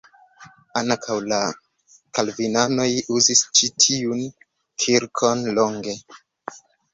Ankaŭ la kalvinanoj uzis ĉi tiun kirkon longe.